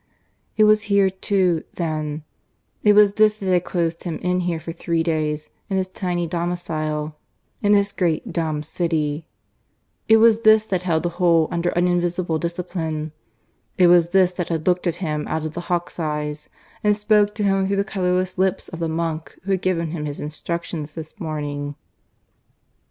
It was here too then; it was this that had closed him in here for three days in his tiny domicile in this great dumb city; it was this that held the whole under an invisible discipline; it was this that had looked at him out of the hawk's eyes, and spoken to him through the colourless lips of the monk who had given him his instructions this morning.